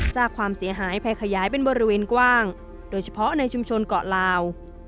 สร้างความเสียหายไปขยายเป็นบริเวณกว้างโดยเฉพาะในชุมชนเกาะลาว